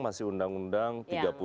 masih undang undang tiga puluh dua ribu dua